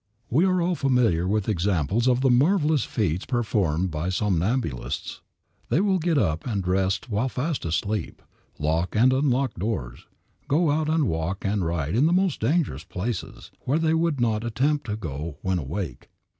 We are all familiar with examples of the marvelous feats performed by somnambulists. They will get up and dress while fast asleep, lock and unlock doors, go out and walk and ride in the most dangerous places, where they would not attempt to go when awake.